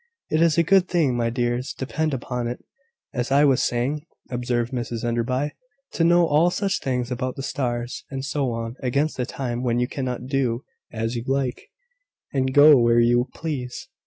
"It is a good thing, my dears, depend upon it, as I was saying," observed Mrs Enderby, "to know all such things about the stars, and so on, against the time when you cannot do as you like, and go where you please.